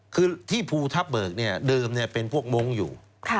คือที่ภูทับเบิกเนี่ยเดิมเป็นพวกมงค์อยู่